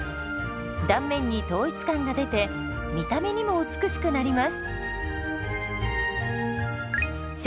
断面に統一感が出て見た目にも美しくなります。